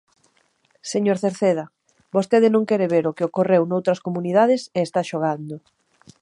Señor Cerceda, vostede non quere ver o que ocorreu noutras comunidades e está xogando.